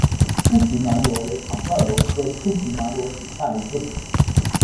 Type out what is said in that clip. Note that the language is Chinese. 粗皮鬘螺为唐冠螺科粗皮鬘螺属下的一个种。